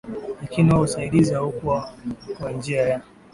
lakini huo usaidizi haukua kwa njia ya